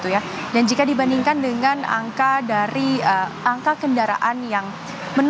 untuk good man semua akan